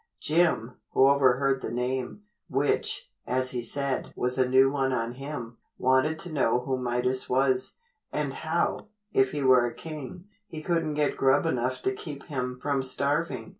Jim, who overheard the name, which, as he said "was a new one on him," wanted to know who Midas was, and how, if he were a king, he couldn't get grub enough to keep him from starving.